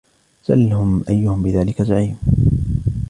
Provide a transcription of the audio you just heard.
سَلْهُمْ أَيُّهُمْ بِذَلِكَ زَعِيمٌ